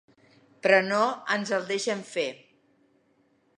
Però no ens el deixen fer.